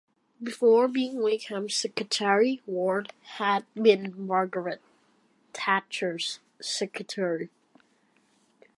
Before being Wakeham's secretary, Ward had been Margaret Thatcher's secretary.